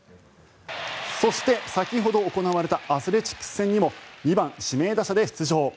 そして、先ほど行われたアスレチックス戦にも２番指名打者で出場。